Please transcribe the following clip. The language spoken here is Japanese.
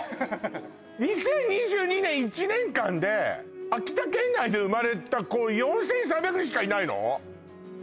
２０２２年１年間で秋田県内で生まれた子４３００人しかいないの？